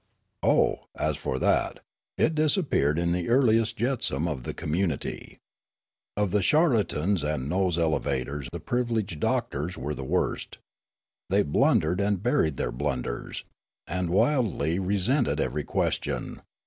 " Oh, as for that, it disappeared in the earliest jetsam of the communit}'. Of the charlatans and nose elev ators the privileged doctors were the worst. They blundered and buried their blunders, and wildly re sented every question.